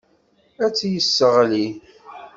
Ad t-yesseɣli.